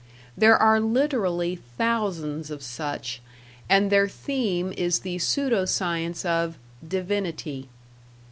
There are literally thousands of such, and their theme is the pseudo science of "divinity".